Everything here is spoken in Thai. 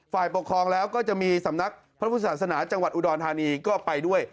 ฝ่ายปกครองแล้วก็จะมีสำนักพระพุทธศาสนาจังหวัดอุดรธานีก็ไปด้วย